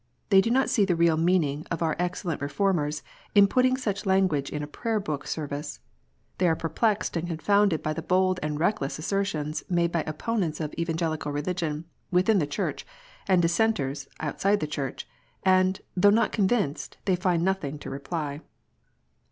They do not see the real meaning of our excellent Reformers in putting such language in a Prayer book Service. They are perplexed and confounded by the bold and reckless assertions made by opponents of Evangelical Religion within the Church, and of Dissenters outside the Church, and, though not convinced, they find nothing to reply.